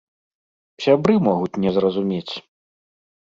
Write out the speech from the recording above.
Сябры могуць не зразумець.